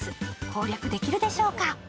攻略できるでしょうか？